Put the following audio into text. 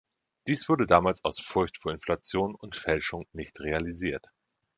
Dies wurde damals aus Furcht vor Inflation und Fälschung nicht realisiert.